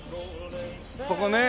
ここね。